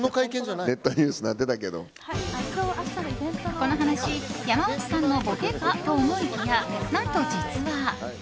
この話山内さんのボケかと思いきや何と実話。